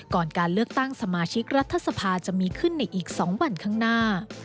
การเลือกตั้งสมาชิกรัฐสภาจะมีขึ้นในอีก๒วันข้างหน้า